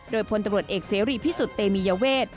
โดยพลตำรวจเอกเสรีพิสุทธิ์เตมียเวท